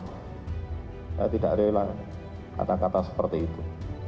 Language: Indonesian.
saya tidak rela kata kata seperti itu